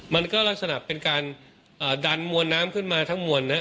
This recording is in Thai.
มันก็ลักษณะเป็นการดันมวลน้ำขึ้นมาทั้งมวลนะครับ